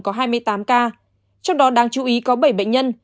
có hai mươi tám ca trong đó đáng chú ý có bảy bệnh nhân